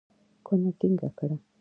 کونه ټينګه کړه.